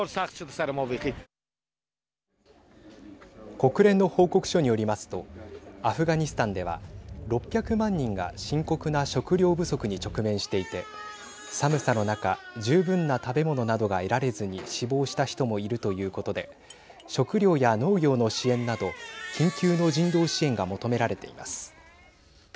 国連の報告書によりますとアフガニスタンでは６００万人が深刻な食料不足に直面していて寒さの中十分な食べ物などが得られずに死亡した人もいるということで食料や農業の支援など緊急の人道支援が求められています。